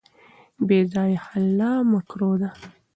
بې ځایه خلع مکروه ده.